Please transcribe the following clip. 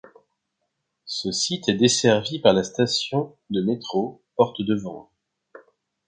Ce site est desservi par la station de métro Porte de Vanves.